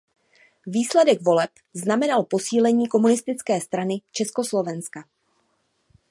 Výsledek voleb znamenal posílení Komunistické strany Československa.